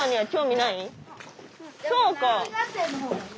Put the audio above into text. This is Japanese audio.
そうか。